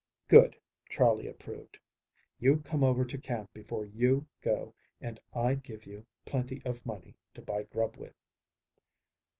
"Good," Charley approved. "You come over to camp before you go and I give you plenty of money to buy grub with."